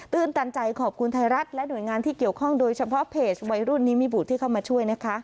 ตันใจขอบคุณไทยรัฐและหน่วยงานที่เกี่ยวข้องโดยเฉพาะเพจวัยรุ่นนิมิบุตรที่เข้ามาช่วยนะคะ